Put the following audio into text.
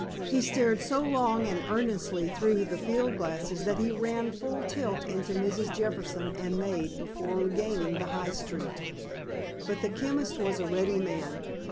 He stared so long and earnestly through the field glasses that he ran full tilt into Mrs. Jefferson and maid before regaining the high street. But the chemist was a ready man.